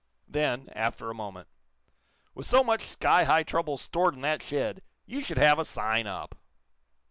Then, after a moment: "With so much sky high trouble stored in that shed, you should have a sign up."